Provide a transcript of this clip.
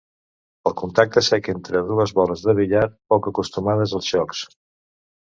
El contacte sec entre dues boles de billar poc acostumades als xocs.